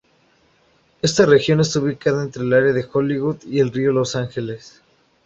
Esta región está ubicada entre el área de Hollywood y el río Los Ángeles.